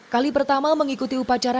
kali pertama mengikuti upacara